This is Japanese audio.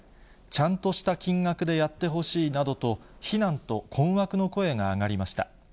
ちゃんとした金額でやってほしいなどと、非難と困惑の声が上がりました。